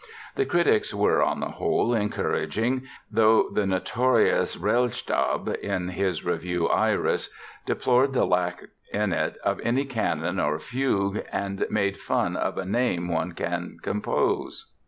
The critics were, on the whole, encouraging, though the notorious Rellstab in his review "Iris" deplored the lack in it of any canon or fugue and made fun of "a name one can compose".